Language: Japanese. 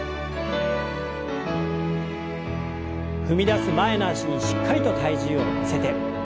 踏み出す前の脚にしっかりと体重を乗せて。